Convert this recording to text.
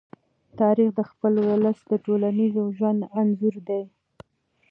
تاریخ د خپل ولس د ټولنیز ژوند انځور دی.